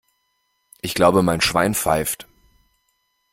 Ich glaube, mein Schwein pfeift!